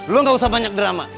lo gak usah banyak drama